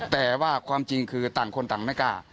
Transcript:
แต่ว่าความจริงคือต่างคนต่างไม่กล้า